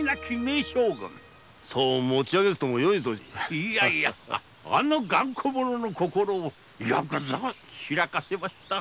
いやいやあの頑固者の心をよくぞ開かせました。